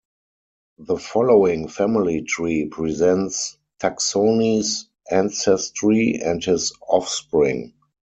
The following family tree presents Taksony's ancestry and his offspring.